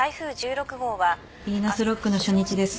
ビーナスロックの初日です。